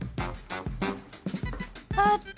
あった！